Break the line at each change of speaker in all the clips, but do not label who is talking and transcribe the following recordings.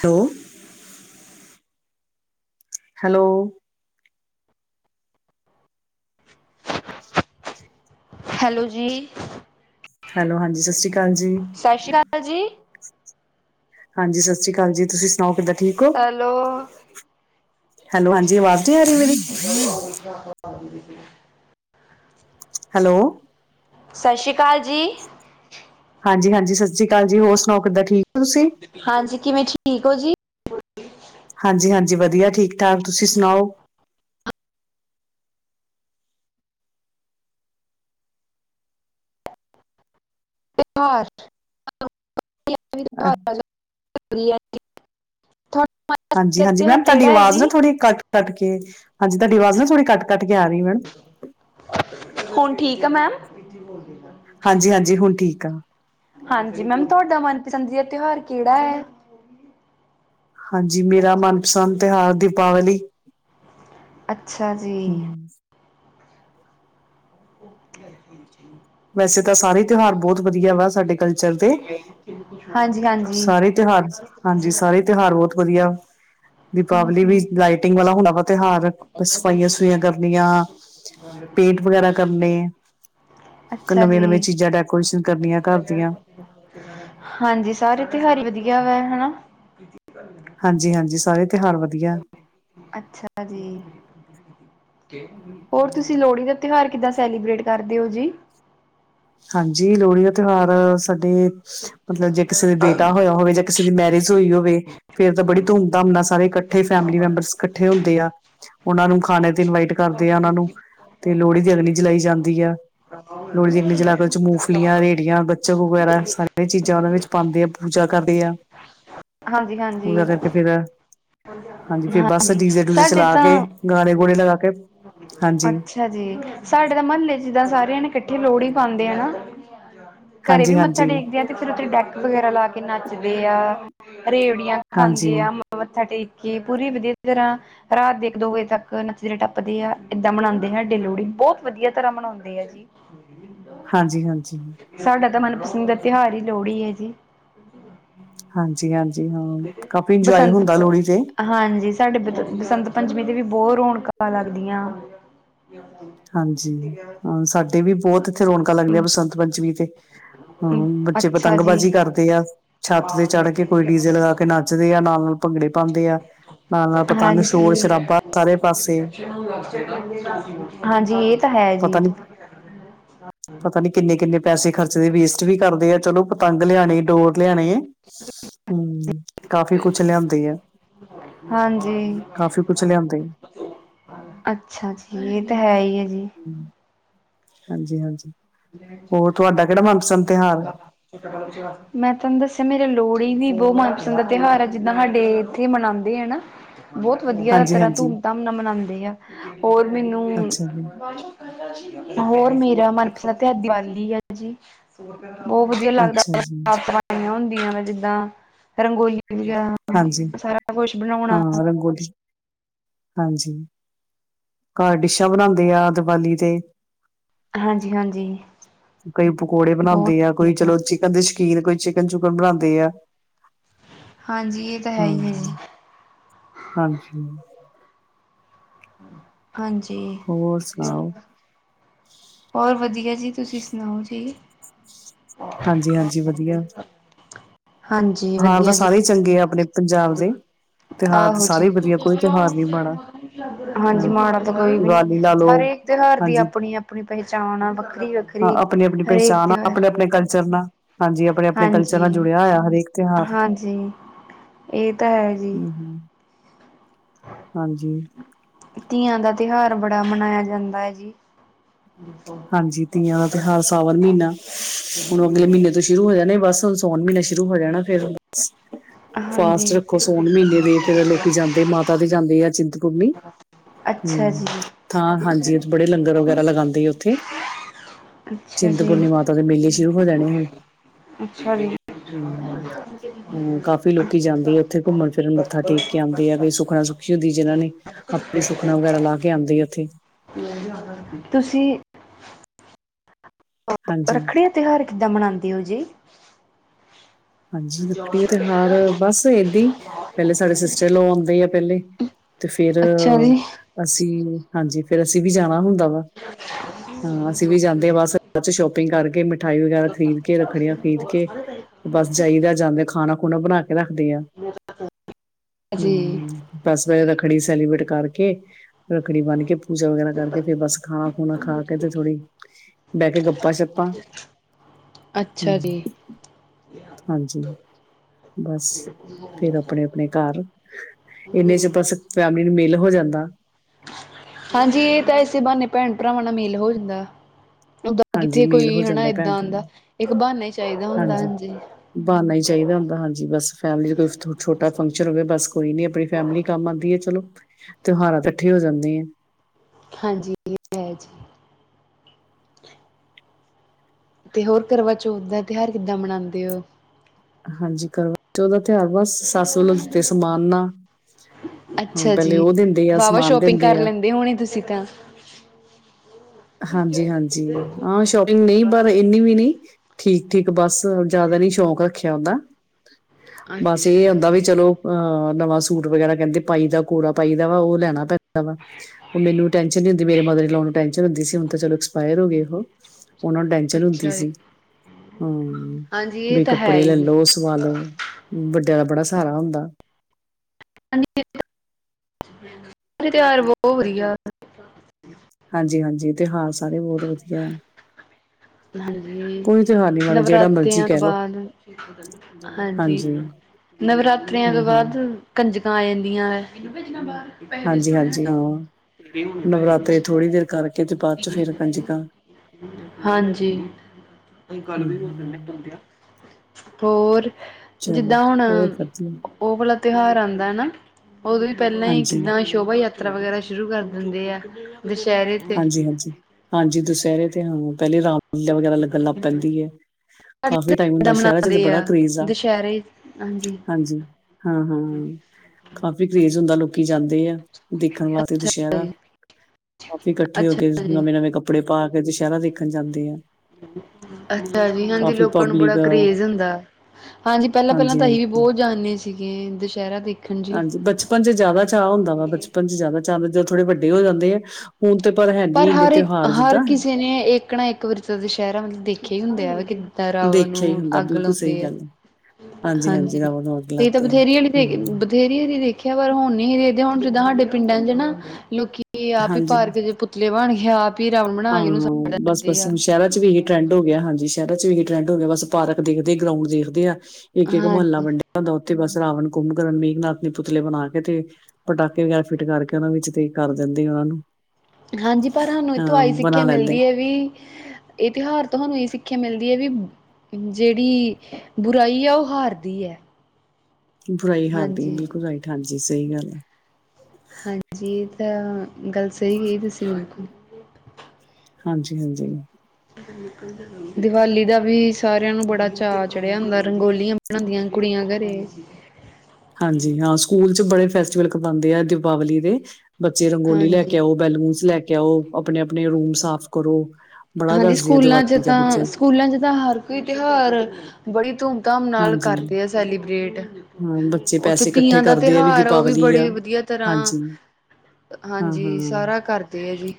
ਹੈਓ। Hello.
Hello ਜੀ।
Hello ਹਾਂਜੀ ਸਤਿ ਸ਼੍ਰੀ ਅਕਾਲ ਜੀ।
ਸਤਿ ਸ੍ਰੀ ਅਕਾਲ ਜੀ।
ਹਾਂਜੀ ਸਤਿ ਸ੍ਰੀ ਅਕਾਲ ਜੀ ਤੁਸੀਂ ਸੁਣਾਓ ਕਿੱਦਾਂ? ਠੀਕ ਹੋ?
ਹੈਲੋ।
ਹੈਲੋ ਹਾਂਜੀ ਆਵਾਜ਼ ਨਹੀਂ ਆ ਰਹੀ ਮੇਰੀ?
ਸੀ।
ਹੈਲੋ।
ਸਤਿ ਸ੍ਰੀ ਅਕਾਲ ਜੀ।
ਹਜੀ ਹਾਂਜੀ ਸਤਿ ਸ਼ੀ ਅਕਾਲੀ ਹੋਰ ਸੁਣਾ ਕਿੱਦਾ ਠੀਕ। ਹੋ ਤੁਸੀਂ?
ਹਾਂਜੀ ਕਿਵੇਂ ਠੀਕ ਹੋ ਜੀ।
ਜੀ ਵਧੀਆ ਠੀਕ ਠਾਕ ਤੁਸੀਂ ਸੁਣਾਓ?
ਤਿਾਰ। [inaudible]
ਹਾਂਜੀ ਹਾਂਜੀ ਮੈਮ ਤੁਹਾਡੀ ਆਵਾਜ਼ ਨਾ ਥੋੜ੍ਹੀ ਕੱਟ ਕੱਟ ਕੇ। ਹਾਂਜੀ ਤੁਹਾਡੀ ਆਵਾਜ਼ ਨਾ ਥੋੜੀ ਕੱਟ ਕੱਟ ਕੇ ਆ ਰਹੀ ਮੈਮ।
ਠਕ ਮੈਮ।
ਹਾਂਜੀ ਹਾਂਜੀ ਹੁਣ ਠੀਕ ਆ।
ਹਾਂਜੀ ਮੈਮ ਤੁਹਾਡਾ ਮਨਪਸੰਦੀ ਤਿਉਹਾਰ ਕਿਹੜਾ ਹੈ।
ਹਾਂਜੀ ਮੇਰਾ ਮਨਪਸੰਦ ਤਿਉਹਾਰ ਦੀਪਾਵਲੀ।
ਅੱਛਾ ਜੀ।
ਹਮ।
[inaudible]
ਵੈਸੇ ਤਾਂ ਸਾਰੇ ਤਿਉਹਾਰ ਬਹੁਤ ਵਧੀਆ ਵਾ ਸਾਡੇ ਕਲਚਰ ਦੇ।
ਹਾਂਜੀ ਹਾਂਜੀ
ਸਾਰੇ ਤਿਉਹਾਰ ਹਾਂਜੀ ਸਾਰੇ ਤਿਉਹਾਰ ਬਹੁਤ ਵਧੀਆ।
ਹਮ
ਦੀਪਾਵਲੀ
ਹਮ
ਵੀ ਲਾਈਟਿੰਗ ਵਾਲਾ ਹੋਣਾ ਵਾ ਤਿਉਹਾਰ ਸਫਾਈਆਂ ਸਫੂਈਆਂ ਕਰਨੀਆਂ। ਪੇਟ ਵਗੈਰਾ ਕਰਨੇ ਆ।
ਅੱਛਾ
ਨਵੇ
ਜੀ
ਨਵੇ ਚੀਜ਼ਾਂ ਡੈਕੋਰੇਸ਼ਨ ਕਰਨੀਆਂ ਘਰ ਦੀਆਂ।
ਹਾਂਜੀ ਸਾਰੇ ਤਿਉਹਾਰ ਵਧੀਆ ਵਾ ਹਨਾ।
ਹਾਂਜੀ ਹਾਂਜੀ ਸਾਰੇ ਤਿਉਹਾਰ ਵਧੀਆ।
ਅੱਛਾ ਜੀ। ਹੋਰ ਤੁਸੀਂ ਲੋਹੜੀ ਦਾ ਤਿਉਹਾਰ ਕਿੱਦਾਂ ਸੈਲੀਬ੍ਰੇਟ ਕਰਦੇ ਹੋ ਜੀ।
ਹਾਂਜੀ ਲੋਹੜੀ ਦਾ ਤਿਉਹਾਰ। ਸਾਡੇ ਮਤਲਬ ਜੇ ਕਿਸੇ ਦੇ ਬੇਟਾ ਹੋਇਆ ਹੋਵੇ ਜਾਂ ਕਿਸੇ ਦੀ ਮੈਰਿਜ। ਈ ਹੋਵੇ ਫੇਰ ਤਾਂ ਬੜੀ ਧੂਮ ਧਾਮ ਨਾਲ ਸਾਰੇ ਇਕੱਠੇ ਫੈਮਲੀ ਮੈਂਬਰ ਇਕੱਠੇ ਹੁੰਦੇ ਆ ਉਹਨਾਂ ਨੂੰ ਖਾਣੇ ਤੇ ਇਨਵਾਈਟ ਕਰਦੇ ਆ ਉਹਨਾਂ ਨੂੰ ਤੇ ਲੋਹੜੀ ਦੀ ਅਗਨੀ ਜਲਾਈ ਜਾਂਦੀ ਆ ਲੋਹੜੀ ਦੀ ਅਗਨੀ ਜਲਾ। ਮੂੰਫਲੀਆਂ ਰੇੜੀਆਂ ਗੱਚਕ ਵਗੈਰਾ ਸਾਰੀਆਂ ਚੀਜ਼ਾਂ ਉਹਨਾਂ ਵਿੱਚ ਪਾਉਂਦੇ ਆ ਪੂਜਾ ਕਰਦੇ ਆ।
ਹਾਂਜੀ
ਪੂਜਾ
ਹਾਂਜੀ।
ਕਰਕੇ ਫੇਰ ਹਾਂਜੀ ਫਰ ਬੱਸ ਡੀਜੇ ਡੂਜੇ
ਸਾਡੇ
ਚਲਾ
ਤਾਂ
ਕੇ ਗਾਣੇ ਗੂਲੇ ਲਗਾ ਕੇ। ਹਾਂਜੀ
ਅੱਛਾ ਜੀ ਸਾਡੇ ਤਾਂ ਮਹੱਲੇ ਜਿੱਦਾ ਸਾਰੇਆਂ ਨੇ ਇਕੱਠੇ ਲੋਹੜੀ ਪਾਉਂਦੇ ਆ। ਘਰੇ ਵੀ
ਹਾਂਜੀ
ਮੱਥਾ
ਹਾਂਜੀ
ਟੇਕਦੇ ਆ ਤੇ ਫਿਰ ਉੱਥੇ ਡੈਕ ਵਗੈਰਾ ਲਾ ਕੇ ਨੱਚਦੇ ਆ। ਰੇਵੜੀਆਂ ਖਾਂਦੇ
ਹਾਂਜੀ
ਆ ਮੱਥਾ ਟੇਕ। ਕਿ ਪੂਰੀ ਵਧੀਆ ਤਰ੍ਹਾਂ ਰਾਤ ਦੇ ਇੱਕ ਦੋ ਵਜੇ ਤੱਕ ਨੱਚਦੇ ਟੱਪਦੇ ਆ। ਏਦਾਂ ਮਨਾਉਂਦੇ ਲੋਹੜੀ ਬਹੁਤ ਵਧੀਆ ਤਰ੍ਹਾਂ ਮਨਾਉਂਦੇ ਆ ਜੀ।
ਹਾਂਜੀ ਹਾਂਜੀ।
ਸਾਡਾ ਤਾਂ ਦਾ ਤਿਉਹਾਰ ਹੀ ਲੋਹੜੀ ਹੈ ਜੀ।
ਹਾਂਜੀ ਹਾਂਜੀ ਹਾਂ ਕਾਫੀ ਇੰਜੋਏ ਹੁੰਦਾ
ਬਸੰਤ
ਲੋਹੜੀ ਤੇ।
ਹਾਂਜੀ ਸਾਡੇ ਬਸੰਤ ਪੰਚਮੀ ਦੇ ਵੀ ਬਹੁਤ ਰੌਣਕਾਂ ਲੱਗਦੀਆਂ।
ਹਾਂਜੀ ਹਾਂ ਸਾਡੇ ਵੀ ਬਹੁਤ ਇੱਥੇ ਰੌਣਕਾਂ ਲੱਗਦੀਆਂ ਬਸੰਤ ਪੰਚਮੀ ਤੇ। ਹਮ ਬੱਚੇ
ਅੱਛਾ ਜੀ
ਪਤੰਗਬਾਜ਼ੀ ਕਰਦੇ ਆ। ਛੱਤ ਤੇ ਚੜ ਕੇ ਕੋਈ ਡੀਜ਼ੇ ਲਗਾ ਕੇ ਨੱਚਦੇ ਆ ਨਾਲ ਨਾਲ ਭੰਗੜੇ ਪਾਉਂਦੇ ਆ। ਨਾਲ ਨਾਲ ਪਤੰਗ ਸ਼ੋਰ
ਹਾਂਜੀ
ਸ਼ਰਾਬਾ ਸਾਰੇ ਪਾਸੇ
ਹਾਂਜੀ ਇਹ ਤਾਂ ਹੈ ਜੀ।
ਪਤਾ ਨੀ ਪਤਾ ਨੀ ਕਿੰਨੇ ਕਿੰਨੇ ਪੈਸੇ ਖਰਚਦੇ ਵੇਸਟ ਵੀ ਕਰਦੇ ਆ ਚਲੋ ਪਤੰਗ ਲਿਆਣੇ ਡੋਰ ਲਿਆਣੇ ਹੈ। ਹਮ ਕਾਫੀ ਕੁਛ ਲਿਆਂਦੀ ਹੈ।
ਹਾਂਜੀ।
ਕਾਫ਼ੀ ਕੁਛਲਿਆਂਦੇ।
ਅੱਛਾ ਜੀ ਇਹ ਤਾਂ ਹੈ ਹੀ ਹੈ ਜੀ।
ਹਾਂਜੀ ਹਾਂਜੀ। ਹੋਰ ਤੁਹਾਡਾ ਕਿਹੜਾ ਮਨਪਸੰਦ ਤਿਉਹਾਰ
ਮੈਂ ਤੁਹਾਨੂੰ ਦੱਸ ਅੱਾ ਮੇਰਾ ਲੋਹੜੀ ਵੀ ਬਹੁਤ ਮਨਪਸੰਦ ਦਾ ਤਿਉਹਾਰ ਹੈ ਜਿੱਦਾਂ ਸਾਡੇ ਇੱਥੇ ਮਨਾਉਂਦੇ ਆ ਨਾ। ਬਹੁਤ ਵਧੀਆ
ਹਾਂਜੀ
ਤਰ੍ਹਾਂ
ਹਾਂਜੀ
ਧੂਮ ਧਾਮ ਨਾਲ ਮਨਾਉਂਦੇ ਆ ਹੋਰ ਮੈਨੂੰ
ਅੱਛਾ ਜੀ
ਹੋਰ ਮੇਰਾ ਮਨਪਸੰਦ ਹੈ ਦੀਵਾਲੀ ਆ ਜੀ। ਬਹੁਤ ਵਧੀਆ ਲੱਗਦਾ
ਅੱਛਾ ਜੀ
ਵਵਾਈਆਂ ਹੁੰਦੀਆਂ ਵਾ ਜਿੱਦਾਂ ਰੰਗੋਲੀਆਂ।
ਹਾਂਜੀ
ਠ ਸਾਰਾ ਕੁਛ ਬਣਾਉਣਾ।
ਹਾਂ ਰੰਗੋਲੀ ਹਾਂਜੀ ਘਰ ਡਿਸ਼ਾਂ ਬਣਾਉਦੇ ਆ ਦੀਵਾਲੀ ਤੇ।
ਹਾਂਜੀ ਹਾਂਜੀ।
ਕਈ ਪਕੌੜੇ
ਬਹੁਤ
ਬਣਾਉਂਦੇ ਆ ਕੋਈ
ਵਧੀਆ
ਚਲੋ ਚਿਕਨ ਦੇ ਸ਼ਕੀਰ ਕੋਈ। ਚਿਕਨ ਚੁਕਨ ਬਣਾਉਂਦੇ ਆ।
ਹਾਂਜੀ ਇਹ ਤਾਂ ਹੈ ਹੀ
ਹਮ
ਹੈ ਜੀ
ਹਾਂਜੀ।
ਹਾਂਜੀ।
ਹੋਰ ਸੁਣਾਓ
ਹੋਰ ਵਧੀਆ ਜੀ ਤੁਸੀਂ ਸੁਣਾਓ ਠੀਕ।
ਹਾਂਜੀ ਹਾਂਜੀ ਵਧੀਆ।
ਹਾਂਜੀ
ਬਹਾਰ ਤਾਂ
ਵਧੀਆ ਜੀ
ਸਾਰੇ ਹੀ ਚੰਗੇ ਆ ਆਪਣੇ ਪੰਜਾਬ ਦੇ। ਤਿਉਹਾਰ ਤੇ
ਆਹੋ
ਸਾਰੇ
ਜੀ
ਹੀ ਵਧੀਆ ਕੋਈ ਤਿਉਹਾਰ ਨੀ ਮਾੜਾ
ਹਾਂਜੀ
ਹਾਂ
ਮਾੜਾ ਤਾਂ ਕੋਈ ਵੀ ਨੀ
ਦੀਵਾਲੀ ਲਾ ਲਓ
ਹਰੇਕ ਤਿਉਹਾਰ ਦੀ
ਹਾਂਜੀ
ਆਪਣੀ ਆਪਣੀ। ਪਹਿਚਾਣ ਆ ਵੱਖਰੀ
ਹਾਂ
ਵੱਖਰੀ
ਆਪਣੀ ਆਪਣੀ
ਹਰੇਕ
ਪਹਿਚਾਣ
ਤਿਉਹਾਰ
ਆਪਣੇ ਆਪਣੇ ਕਲਚਰ ਨਾਲ ਹਾਂਜੀ ਆਪਣੇ ਆਪਣੇ ਕਲਚਰ
ਹਾਂਜੀ
ਨਾਲ ਜੁੜੇ ਵਿਆਹਇਆ ਹਰੇਕ ਤਿਉਹਾਰ
ਹਾਂਜੀ ਇਹ ਤਾਂ ਹੈ ਜੀ।
ਹੂੰ ਹੂੰ ਹਾਂਜੀ
ਧੀਆਂ ਦਾ ਤਿਉਹਾਰ ਬੜਾ ਮਨਾਇਆ ਜਾਂਦਾ ਹੈ ਜੀ।
ਹਾਂਜੀ ਤੀਆਂ ਦਾ ਤਿਉਹਾਰ ਸਾਵਣ ਮਹੀਨਾ ਹੁਣ ਅਗਲੇ ਮਹੀਨੇ ਤੋਂ ਸ਼ੁਰੂ ਹੋ ਜਾਣੇ ਬਸ। ਸੋਨ ਮਹੀਨਾ ਸ਼ੁਰੂ ਹੋ ਜਾਣਾ ਫੇਿਰ। ਫਾਸਟ
ਹਾਂਜੀ
ਰੱਖੋ ਸੋਨ ਮਹੀਨੇ ਦੇ ਫੇਰ ਲੋਕੀ ਜਾਂਦੇ ਮਾਤਾ ਦੇ ਜਾਂਦੇ ਆ ਚਿੰਤ। ਭਮੀ
ਅੱਛਾ
ਹਮ
ਜੀ
ਥਾਂ ਹਾਂਜੀਥ ਬੜੇ ਲੰਗਰ ਵਗੈਰਾ ਲਗਾਉਂਦੇ ਆ। ਜ।
ਅੱਛਾ ਜੀ
ਚਿੰਤਪੂਰਨੀ ਮਾਤਾ ਦੇ ਮੇਲੇ ਸ਼ੁਰੂ ਹੋ ਜਾਣੇ ਹੁਣ।
ਅੱਛਾ ਜੀ
ਹਮ ਹਮ ਕਾਫੀ ਲੋਕੀ ਜਾਂਦੇ ਆ ਉੱਥੇ ਘੁੰਮਣ ਫਿਰਨ ਮੱਥਾ ਟੇਕ ਕੇ ਆਉਂਦੇ ਆ ਵੀਈ ਸੁੱਖਣਾ ਸੁੱਖੀਆਂ ਹੁੰਦੀ ਜਿਨਾਂ ਨੇ ਆਪਣੀ ਸੁਖਨਾ ਵਗੈਰਾ ਲਾ ਕੇ ਆਉਂਦੇ ਉੱਥੇ
ਤੁਸੀਂ।
ਹਾਂਜੀ
ਰੱਖੜੀ ਦਾ ਤਿਉਹਾਰ ਕਿੱਦਾਂ ਮਨਾਉਂਦੇ ਹੋ ਜੀ।
ਹਾਂਜੀ ਲੱਕੜੀ ਦਾ ਤਿਉਹਾਰ ਬਸ ਇਏਦ ਪਹਿਲੇ ਸਾਡੇ ਸਿਸਟਰ ਲ ਆਉਂਦੇ ਆ ਪਹਿਲੇ ਤੇ ਫੇਰ
ਅੱਛਾ ਜੀ
ਅਸੀਂ ਹਾਂਜੀ ਫੇਰ ਅਸੀਂ ਵੀ ਜਾਵ। ਹੁੰਦਾ ਵਾ ਹਾਂ ਅਸੀਂ ਵੀ ਜਾਂਦੇ ਹ ਬਸ ਚ ਸ਼ੋਪਿੰਗ ਕਰਕੇ ਮ। ਮਿਠਾਈ ਵਗੈਰਾ ਖਰੀਦ ਕੇ ਰੱਖੜੀਆਂ ਖਰੀਦ ਕੇ ਬਸ ਜਾਈਦਾ ਜਾਂਦੇ ਖਾਣਾ ਖੁਣਾ ਬਣਾ ਕੇ। ਰੱਖਦੀ ਆ ਹਮ
ਜੀ,
ਬਸ ਵਜ ਤ। ਰੱਖੜੀ ਸੈਲੀਬ੍ਰੇਟ ਕਰਕੇ ਰੱਖੜੀ ਬੰਨ ਕੇ। ਪੂਜਾ ਵਗੈਰਾ ਕਰਕੇ ਫਿਰ ਬਸ ਖਾਣਾ ਖੁਣਾ ਖਾ ਕੇ ਤੇ ਥੋੜ੍ਹੀ ਬਹਿ ਕੇ ਗੱਪਾਂ ਸ਼ੱਪਾਂ। ਹੂੰ,
ਅੱਛਾ ਜੀ।
ਹਾਂਜੀ। ਬਸ ਫੇਰ ਆਪਣੇ ਆਪਣੇ ਘਰ ਇਨੇ ਚ ਬਸ ਫੈਮਲੀ। ਮੇਲ ਹੋ ਜਾਂਦਾ।
ਹਾਂਜੀ ਇਹ ਤਾਂ ਇਸੇ ਬਹਾਨੇ ਭੈਣ ਭਰਾਵਾਂ ਨਾਲ ਮੇਲ ਹੋ ਜਾਂਦਾ। ਓਦਾਂ
ਹਾਂਜੀ
ਕਿੱਥੇ
ਮੇਲ ਹੋ
ਕੋਈ ਹਨਾ
ਜਾਂਦਾ ਭੈਣ
ਏਦਾਂ
ਭਰਾ
ਆਉਂਦਾ
ਨੂੰ
ਇੱਕ ਬਹਾਨਾ ਹੀ ਚਾਹੀਦਾ ਹੁੰਦਾ ਹਾਂਜੀ।
ਬਨਾ ਹੀ ਚਾਹੀਦਾ ਹੁੰਦਾ ਹਾਂਜੀ ਬਸ ਫੈਮਿਲੀ ਚ ਕੋਈ ਛੋਟਾ ਫੰਕਸ਼ਨ ਹੋਵੇ ਬਸ ਕੋਈ ਨੀ ਆਪਣੀ ਫੈਮਿਲੀ ਕੰਮ ਆਉਂਦੀ। ਚਲੋ ਤਿਉਹਾਰਾਂ ਇਕੱਠੇ ਹੋ ਜਾਂਦੇ ਆ।
ਹਾਂਜੀ ਹੈ, ਜੀ। ਤੇ ਹੋਰ ਕਰਵਾਚੌਥ ਦਾ ਤਿਹਾਰ ਕਿੱਦਾਂ ਮਨਾਦੇ ਔ।
ਹਾਂਜੀ, ਕਰਵਾ ਚੋਥ ਦਾ ਤਿਹਾਰ ਬਸ ਸੱਸ ਦੇ ਦਿੱਤੇ ਸਮਾਨ ਨਾਲ।
ਅੱਛਾ ਜੀ,
ਆ
ਵਾਹਵਾ
ਸਮਾਨ
ਸ਼ੋਪਿੰਗ
ਦਿੰਦੇ
ਕਰ
ਆ
ਲੈਂਦੇ ਹੋਣੇ ਤੁਸੀਂ ਤਾਂ।
ਹਾਂਜੀ-ਹਾਂਜੀ, ਹਾਂ ਸ਼ੋਪਿੰਗ ਨਹੀਂ ਪਰ ਇੰਨੀ ਵੀ ਨਹੀਂ ਠੀਕ-ਠੀਕ। ਬਸ ਜਿਆਦਾ ਨੀ ਸ਼ੌਕ ਰੱਖਿਆ ਔਦਾ। ਬਸ
ਅੱਛਾ
ਇਹ ਹੁੰਦਾ ਵੀ
ਜੀ,
ਚਲੋ ਅਹ ਨਵਾਂ। ਸੂਟ ਵਗੈਰਾ ਕਹਿੰਦੇ ਪਾਈ ਦਾ ਕੂੜਾ ਪਾਈ ਦਾ ਵਾ ਉਹ ਲੈਣਾ ਪੈਂਦਾ ਵਾ, ਉਹ ਮੈਨੂੰ ਟੈਨਸ਼ਨ ਨੀ ਹੁੰਦੀ ਮੇਰੇ ਮਦਰ ਇਨ ਲੋ ਨੂੰ ਟੇ ਹੁੰ ਸੀ ਹੁਣ ਤਾਂ ਚਲੋ ਐਕਸਪਾਇਰ ਹੋ ਗਏ, ਉਹੋ ਉਹਨਾਂ ਨੂੰ ਟੈਂਸ਼ਨ ਹੁੰਦੀ
ਅੱਛਾ ਜੀ,
ਸੀ। ਹੂੰ,
ਹਾਂਜੀ ਇਹ
ਵੀ
ਤਾਂ ਹੈ
ਕੱਪੜੇ
ਹੀ ਜੀ।
ਲੈਲੋ ਸਵਾਲੋ ਵੱਡਿਆਂ ਦਾ ਬੜਾ ਸਹਾਰਾ ਹੁੰਦਾ।
ਤਿਹਾਰ ਬਹੁਤ ਵਧੀਆ।
ਹਾਂਜੀ-ਹਾਂਜੀ ਤਿਹਾਰ ਸਾਰੇ ਬਹੁਤ ਵਧੀਆ ਹੈ।
ਹਾਂਜੀ
ਮਰਜੀ
ਨਵਰਾਤਿਆਂ ਤੋਂ
ਕਹਿ ਲਓ
ਬਾਅਦ ਹਾਂਜੀ। ਨਵਰਾਤਰੀਆਂ ਤੋਂ
ਹੂੰ-ਹੂੰ,
ਬਾਅਦ। ਕੰਜਕਾਂ ਆ ਜਾਂਦੀਆਂ ਐ।
ਹਾਂਜੀ-ਹਾਂਜੀ ਹਾਂ। ਨਵਰਾਤਰੀ ਥੋੜ੍ਹੀ ਦੇਰ ਕਰਕੇ ਤੇ ਬਾਅਦ ਚ ਫੇਰ ਕੰਜਕਾਂ।
ਹਾਂਜੀ,
ਹੂੰ
ਹੋਰ?
ਚਲੋ
ਜਿੱਦਾਂ ਹੁਣ
ਬਹੁਤ ਵਧੀਆ
ਉਹ ਵਾਲਾ। ਤਿਉਹਾਰ ਆਦਾ ਹਨਾ, ਉਦੋਂ ਵੀ ਪਹਿਲਾਂ ਹੀ
ਹਾਂਜੀ,
ਕਿੱਦਾਂ ਸ਼ੋਭਾ ਯਾਤ ਯਾਤਰਾ ਵਗੈਰਾ ਸ਼ੁਰੂ ਕਰ ਦਿੰਦੇ ਆ। ਦੁਸਹਿਰੇ ਤੇ
ਹਾਂਜੀ-ਹਾਂਜੀ-ਹਾਂਜੀ, ਦੁਸਹਿਰੇ ਤੇ ਹਾਂ ਪਹਿਲੇ ਰਾਮ ਲੀਲਾ ਵਗੈਰਾ ਲੱਗਣ ਲੱਗ ਪੈਂਦੀ ਹੈ। ਕਾਫੀ ਟਾਈਮ ਹੁੰਦਾ
ਦਾਂ
ਸ਼ਹਿਰਾਂ ਚ ਤਾਂ
ਮਨਾਉਂਦੇ
ਬੜਾ ਕਰੇਜ਼ ਆ।
ਦੁਸਹਿਰੇ
ਹਾਂਜੀ, ਹਾਂ-ਹਾਂ ਕਾਫੀ ਕਰੇਜ਼ ਹੁੰਦਾ ਲੋਕ ਲੋਕ ਜਾਂਦੇ ਆ ਦੇਖਣ ਵਾਸਤੇ
ਅੱਛਾ
ਦੁਸਹਿਰਾ।
ਜੀ
ਕਾਫੀ ਇਕੱਠੇ ਹੋ ਕੇ
ਅੱਛਾ ਜੀ
ਨਵੇਂ-ਨਵੇਂ ਕੱਪੜੇ ਪਾ ਕੇ ਦੁਸਹਿਰਾ ਦੇਖਣ ਜਾਂਦੇ ਆ।
ਹੂੰ। ਅੱਛਾ ਜੀ, ਹਾਂਜੀ
ਕਾਫੀ
ਲੋਕਾਂ ਨੂੰ ਬੜਾ
ਪਬਲਿਕ
ਕਰੇਜ਼ ਹੁੰਦਾ, ਹਾਂਜੀ ਪਹਿਲਾਂ-ਪਹਿਲਾਂ ਤਾਂ ਅਸੀਂ ਵੀ
ਹਾਂਜੀ-ਹਾਂਜੀ।
ਬਹੁਤ ਜਾਂਦੇ ਸੀ।
ਹਾਂਜੀ, ਬਚਪਨ ਚ ਜ਼ਿਆਦਾ ਚਾਅ ਹੁੰਦਾ ਵਾ ਬਚਪਨ ਚ ਜ਼ਿਆਦਾ। ਦੇ ਜਦ ਥੋੜੇ ਵੱਡੇ ਹੋ ਜਾਂਦੇ ਆ ਹੁਣ। ਤੇ ਹੈ ਨੀ
ਪਰ
ਇੰਨੇ
ਹਰ ਇੱਕ
ਤਿਉਹਾਰ
ਹਰ
ਜਿੱਦਾਂ
ਕਿਸੇ ਨੇ ਇੱਕ ਨਾ ਇੱਕ ਵਾਰ ਤੇ ਦੁਸ਼ਹਿਰਾ ਮਤਲਬ ਦੇਖਿਆ ਹੀ ਹੁੰਦੇ ਆ ਕਿ ਤਾਂ ਰਵਾਨ
ਦੇਖਿਆ ਹੀ
ਨੂੰ
ਹੁੰਦਾ
ਅੱਗ
ਬਿਲਕੁਲ ਸਹੀ
ਲਾਦੇ ਆ।
ਗੱਲ ਹੈ। ਹਾਂਜੀ-ਹਾਂਜੀ
ਹਾਂਜੀ,
ਰਾਵਣ ਰੌਣਕ
ਇਹ ਤਾਂ
ਲਾਤੇ ਆ
ਬਥੇਰੀ ਵਾਲੀ ਦੇਖ
ਹੂੰ
ਬਥੇਰੀ ਆਲੀ ਦੇਖਿਆ ਪਰ ਹੁਣ ਨੀ ਦੇਖਦੇ ਹੁਣ ਜਿੱਦਾਂ ਸਾਡੇ। ਪਿੰਡਾਂ ਚ ਨਾ ਲੋਕੀ ਆਪ ਹੀ
ਹਾਂਜੀ
ਪਾਰਕ ਚ ਪੁਤਲੇ ਬਣਕੇ ਆਪ ਹੀ। ਰਾਵਣ
ਹਾਂ
ਬਣਾ ਕੇ ਉਹਨੂੰ ਸਾੜ
ਬਸ-ਬਸ
ਦਿੰਦੇ ਆ
ਹੁਣ ਸ਼ਹਿਰਾਂ ਚ ਵੀ ਇਹ ਟਰੈਂਡ ਹੋ ਗਿਆ ਹਾਂਜੀ। ਸ਼ਹਿਰਾਂ ਚ ਵੀ ਟਰੈਂਡ ਹੋ ਗਿਆ, ਬਸ ਪਾਰਕ ਦੇਖਦੇ ਗਰਾਊਂਡ ਦੇਖਦੇ ਆ ਇੱਕ ਇੱਕ ਮੁਹੱਲਾ
ਹਾਂਜੀ
ਵੰਡਿਆ ਹੁੰਦਾ। ਉਥੇ ਬਸ ਰਾਵਣ ਕੁੰਮਕਣ ਮੇਘਨਾਥ ਨੇ ਪੁਤਲੇ ਬਣਾ ਕੇ ਤੇ ਪਟਾਕੇ ਵਗੈਰਾ ਫਿੱਟ ਕਰਕੇ ਉਹਨਾ ਵਿੱਚ ਤੇ ਕਰ ਦਿੱਤਾ। ਦਿੰਦੇ ਉਹਨਾਂ ਨੂੰ।
ਹਾਂਜੀ, ਪਰ ਸਾਨੂੰ ਇਹਥੋਂ
ਹਾਂ
ਆਈ
ਬਣਾ
ਸਿੱਖਿਆ
ਲੈਂਦੇ
ਮਿਲਦੀ ਐ ਵੀ ਇਹ ਤਿਉਹਾਰ ਤੁਹਾਨੂੰ ਈ ਸਿੱਖਿਆ ਮਿਲਦੀ। ਵੀ ਜਿਹੜੀ ਬੁਰਾਈ ਆ ਉਹ ਹਾਰਦੀ ਹੈ।
ਬੁਰਾਈ ਹਾਰਦੀ ਐ
ਹਾਂਜੀ
ਬਿਲਕੁਲ, ਰਾਈਟ ਹਾਂਜੀ ਸਹੀ ਗੱਲ ਆ।
ਹਾਂਜੀ, ਇਹ ਤਾਂ ਗੱਲ ਸਹੀ ਗਈ ਤੁਸੀਂ ਬਿਲਕੁਲ।
ਹਾਂਜੀ-ਹਾਂਜੀ।
ਦੀਵਾਲੀ ਦਾ ਵੀ ਸਾਰਿਆਂ ਨੂੰ ਬੜਾ ਚਾਅ ਚੜਿਆ ਹੁੰਦਾ, ਰੰਗੋਲੀਆਂ ਬਣਾਉਦੀਆਂ ਕੁੜੀਆਂ। ਅਗਰੇ।
ਹਾਂਜੀ ਹਾਂ ਸਕੂਲ ਚ ਬੜੇ ਫੈਸਟੀਵਲ ਕਰਵਾਦੇ ਆ ਦੀਪਾਵਲੀ ਦੇ। ਬੱਚੇ ਰੰਗੋਲੀ ਲੈ
ਹਾਂਜੀ
ਕੇ ਆਓ, ਬੈਲੂਨਸ ਲੈ ਕੇ ਆਓ ਆਪਣੇ ਆਪਣੇ ਰੂਮ ਸਾਫ਼ ਕਰੋ। ਬੜਾ
ਹਾਂਜੀ,
ਦੱਸਦੀ ਆ
ਸਕੂਲਾਂ ਚ
ਦੀਵਾਲੀ ਦਾ ਬੱਚੇ
ਤਾਂ ਸਕੂਲਾਂ ਚ ਤਾਂ ਹਰ ਕੋਈ ਤਿਉਹਾਰ ਬੜੀ ਧੂਮ ਧਾਮ ਨਾਲ
ਹਾਂਜੀ
ਕਰਦੇ ਆ ਸੈਲੀਬਰੇਟ।
ਹਾਂ ਬੱਚੇ
ਉਥੇ
ਪੈਸੇ ਇਕੱਠੇ
ਤੀਆਂ ਦਾ
ਕਰਦੇ
ਤਿਉਹਾਰ ਆ ਉਹ ਵੀ
ਦੀਪਾਵਲੀ ਆ
ਬੜੇ ਵਧੀਆ ਤਰ੍ਹਾਂ
ਹਾਂਜੀ ਹਾਂ ਹਾਂ
ਹਾਂਜੀ ਸਾਰਾ ਕਰਦੇ ਆ ਜੀ।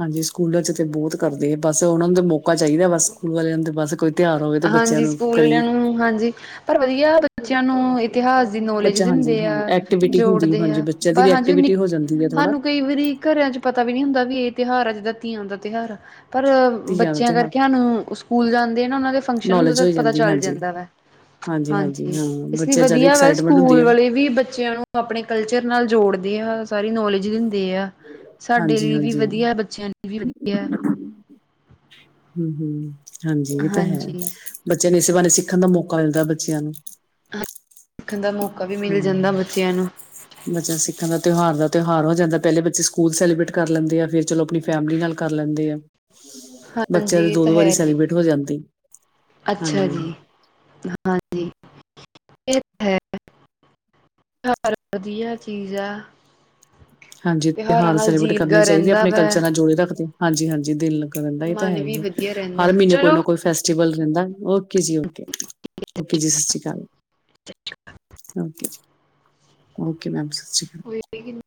ਹਾਂਜੀ ਸਕੂਲਾਂ ਚ ਤੇ ਬਹੁਤ ਕਰਦੇ ਬਸ ਉਹਨਾਂ ਨੂੰ ਦਾ ਮੌਕਾ ਚਾਹੀਦਾ ਬਸ ਸਕੂਲ ਵਾਲਿਆਂ ਦੇ ਬਸ। ਕੋਈ ਤਿਉਹਾਰ ਹੋਵੇ ਤਾਂ ਬੱਚਿਆਂ
ਹਾਂਜੀ
ਨੂੰ
ਸਕੂਲ ਵਾਲਿਆਂ
ਕਰੀਏ
ਨੂੰ ਹਾਂਜੀ ਪਰ ਵਧੀਆ ਬੱਚਿਆਂ ਨੂੰ। ਇਤਿਹਾਸ ਦੀ ਨੌਲੇਜ
ਬੱਚਾ ਹਾਂਜੀ
ਦਿੰਦੇ ਆ
ਹਾਂ ਐਕਟੀਵਿਟੀ ਹੁੰਦੀ
ਜੋੜਦੇ
ਹਾਂਜੀ
ਆ
ਬੱਚਿਆਂ ਦੀ
ਪਰ
ਵੀ
ਹਾਂਜੀ ਉਹ ਨ
ਐਕਟੀਵਿਟੀ ਹੋ ਜਾਂਦੀ ਹੈ ਥੋੜਾ
ਸਾਨੂੰ ਕਈ ਵਾਰੀ। ਘਰਿਆਂ ਚ ਪਤਾ ਵੀ ਨੀ ਹੁੰਦਾ ਵੀ ਇਹ ਤਿਉਹਾਰ ਆ ਜਿੱਦਾਂ ਤੀਆਂ ਦਾ ਤਿਉਹਾਰ ਆ ਪਰ
ਧੀਆਂ ਦਾ
ਬੱਚਿਆਂ
ਤਿਉਹਾਰ
ਕਰਕੇ ਹਾਨਣ ਸਕੂਲ ਜਾਂਦੇ ਨਾ ਉਹਨਾਂ ਦੇ। ਫੰਕਸ਼ਨ ਹੁੰਦਾ
ਨੌਲੇਜ
ਤਾਂ
ਹੋ
ਪਤਾ
ਜਾਂਦੀ
ਚੱਲ
ਹਾਂਜੀ
ਜਾਂਦਾ ਵਾ।
ਹਾਂਜੀ-ਹਾਂਜੀ
ਹਾਂਜੀ
ਹਾਂ
ਇਸ ਲਈ
ਬੱਚਿਆਂ ਜ਼ਿਆਦਾ
ਵਧੀਆ ਵਾ
ਐਕਸਾਈਟਮੈਂਟ ਹੁੰਦੀ
ਸਕੂਲ
ਆ
ਵਾਲੇ ਵੀ ਬੱਚਿਆਂ ਨੂੰ ਆਪਣੇ ਕਲਚਰ ਨਾਲ ਜੋੜ। ਤੜਦੇ ਆ ਸਾਰੀ ਨੌਲੇਜ। ਆ ਸਾਡੇ ਲਈ ਵੀ
ਹਾਂਜੀ-ਹਾਂਜੀ
ਵਧੀਆ ਬੱਚਿਆਂ ਲਈ ਵੀ ਵਧੀਆ।
ਹਮ ਹਮ ਹਾਂਜੀ ਇਹ ਤਾਂ ਹੈ।
ਹਾਂਜੀ
ਬੱਚੇ ਨੇ ਸੇਵਾਾਨ ਸਿੱਖਣ ਦਾ ਮੌਕਾ ਮਿਲਦਾ ਬੱਚਿਆਂ ਨੂੰ।
ਸਿੱਖਣ ਦਾ ਮੌਕਾ ਵੀ ਮਿਲ ਜਾਂਦਾ
ਹਮ
ਬੱਚਿਆਂ ਨੂੰ
ਬੱਚਿਆਂ ਸਿੱਖਾਂ ਦਾ ਤਿਉਹਾਰ ਦਾ। ਤਿਉਹਾਰ ਹੋ ਜਾਂਦਾ ਪਹਿਲੇ ਬੱਚੇ ਸਕੂਲ ਸੈਲੀਬ੍ਰੇਟ ਕਰ ਲੈਂਦੇ ਆ ਫਿਰ ਚਲੋ ਆਪਣੀ ਫੈਮਿਲੀ ਨਾਲ ਕਰ ਲੈਂਦੇ ਆ।
ਹਾਂਜੀ
ਬੱਚਿਆਂ ਦੇ
ਇਹ
ਦੋ
ਤਾਂ
ਦੋ ਵਾਰੀ
ਹੈ ਜੀ
ਸੈਲੀਬ੍ਰੇਟ ਹੋ ਜਾਂਦੀ।
ਅੱਛਾ ਜੀ
ਹਾਂਜੀ-ਹਾਂਜੀ
ਹਾਂਜੀ ਫ ਹੈ ਘਰ ਵਧੀਆ ਚੀਜ਼ਾਂ।
ਹਾਂਜੀ ਤਿਉਹਾਰ ਸੈਲੀਬ੍ਰੇਟ ਕਰਨੇ ਚਾਹੀਦੇ
ਰਹਿੰਦਾ
ਆਪਣੇ
ਵਾ
ਕਲਚਰ ਨਾਲ ਜੋੜੇ ਰੱਖਦੇ ਹਾਂਜੀ ਹਾਂਜੀ ਦਿਲ। ਰਹਿੰਦਾ ਹੀ ਤਾਂ ਹੈ
ਮਨ
ਹੀ
ਵੀ
ਹੈ
ਵਧੀਆ ਰਹਿੰਦਾ
ਹਰ ਮਹੀਨੇ ਕੋਈ
ਚਲੋ
ਨਾ ਕੋਈ ਫੈਸਟੀਵਲ। ਰਹਿੰਦਾ ਓਕੇ ਜੀ ਓਕੇ ਓਕੇ ਜੀ ਸਤਿ ਸ਼ੀ ਅਕਾਲ। ਓਕੇ ਮੈ
ਹੋ ਕਿ।